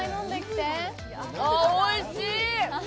あ、おいしい！